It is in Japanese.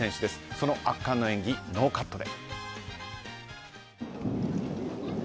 その圧巻の演技、ノーカットで。